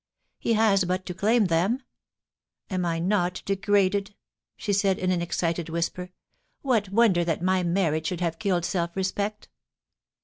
He has but to claim them Am I not degraded ?' she said in an excited whisper. * What wonder that my marriage should have killed self respect? THE DIAMONDS.